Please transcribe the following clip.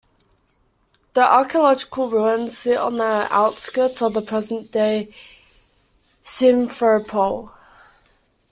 The archeological ruins sit on the outskirts of the present-day Simferopol.